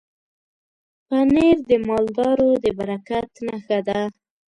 پنېر د مالدارو د برکت نښه ده.